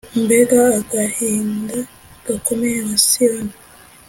mbega agahinda gakomeye ka Siyoni!